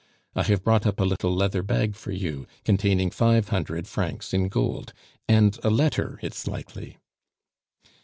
I have brought up a little leather bag for you, containing five hundred francs in gold, and a letter it's likely."